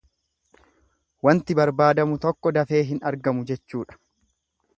Wanti barbaadamu tokko dafee hin argamu jechuudha.